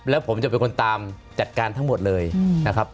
แล้วผมจะเป็นคนตามจัดการทั้งหมดเลยนะครับ